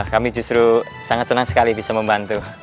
kami justru sangat senang sekali bisa membantu